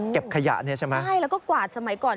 ขยะเนี่ยใช่ไหมใช่แล้วก็กวาดสมัยก่อน